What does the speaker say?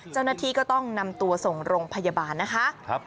เจ้าหน้าที่ก็ต้องนำตัวส่งโรงพยาบาลนะคะ